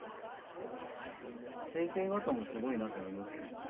先生方もすごいなと思いますけど。